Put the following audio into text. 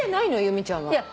由美ちゃんは。